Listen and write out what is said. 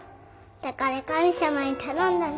だから神様に頼んだの。